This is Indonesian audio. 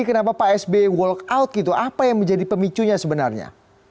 kenapa pak sb walkout gitu apa yang menjadi pemicunya sebenarnya